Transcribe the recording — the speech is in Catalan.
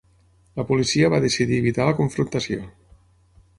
La policia va decidir evitar la confrontació.